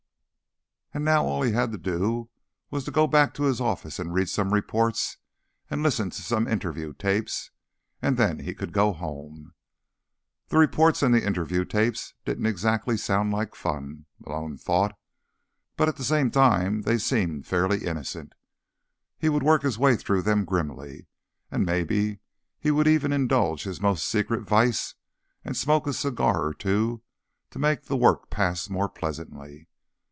And now all he had to do was go back to his office and read some reports and listen to some interview tapes, and then he could go home. The reports and the interview tapes didn't exactly sound like fun, Malone thought, but at the same time they seemed fairly innocent. He would work his way through them grimly, and maybe he would even indulge his most secret vice and smoke a cigar or two to make the work pass more pleasantly.